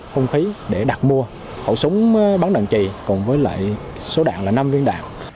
không khí để đặt mua khẩu súng bắn đạn trì cùng với lại số đạn là năm viên đạn